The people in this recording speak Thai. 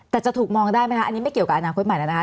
แต่จะถูกมองได้ไหมคะอันนี้ไม่เกี่ยวกับอนาคตใหม่แล้วนะคะ